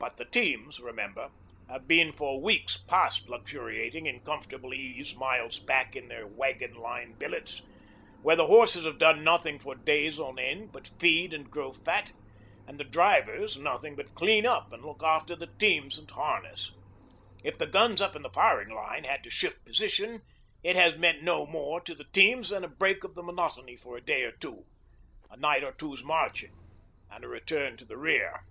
But the teams, remember, have been for weeks past luxuriating in comfortable ease miles back in their 'wagon line' billets, where the horses have done nothing for days on end but feed and grow fat, and the drivers nothing but clean up and look after their teams and harness. If the guns up in the firing line had to shift position it has meant no more to the teams than a break of the monotony for a day or two, a night or two's marching, and a return to the rear.